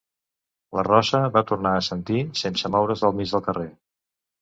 La rossa va tornar a assentir, sense moure's del mig del carrer.